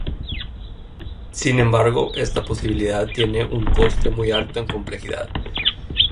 Sin embargo, esta posibilidad tiene un coste muy alto en complejidad.